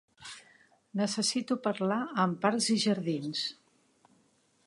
Necessito parlar amb Parcs i Jardins.